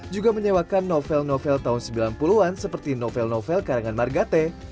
juga menyewakan novel novel tahun sembilan puluh an seperti novel novel karangan margate